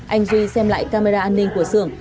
anh duy xem lại camera an ninh của sưởng